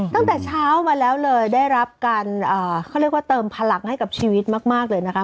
ตั้งแต่เช้ามาแล้วเลยได้รับการเขาเรียกว่าเติมพลังให้กับชีวิตมากเลยนะคะ